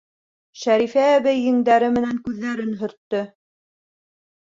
— Шәрифә әбей еңдәре менән күҙҙәрен һөрттө.